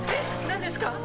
何ですか？